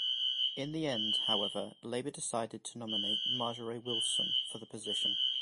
In the end, however, Labour decided to nominate Margaret Wilson for the position.